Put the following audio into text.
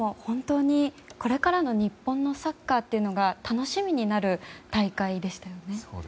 これからの日本のサッカーというのが楽しみになる大会でしたよね。